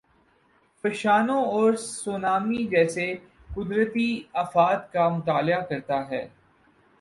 فشانوں اور سونامی جیسی قدرتی آفات کا مطالعہ کرتا ہی۔